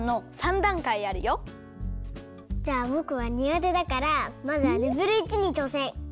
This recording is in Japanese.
じゃあぼくはにがてだからまずはレベル１にちょうせん。